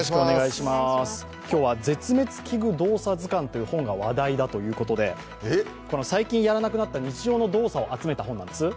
今日は「絶滅危惧動作図鑑」という本が話題だということで、最近やらなくなった日常の動作を集めた本なんです。